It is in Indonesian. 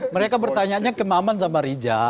mereka bertanya nya kemahaman sama rija